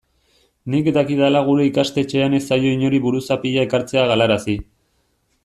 Nik dakidala gure ikastetxean ez zaio inori buruzapia ekartzea galarazi.